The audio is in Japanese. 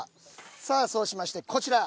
さあそうしましてこちら。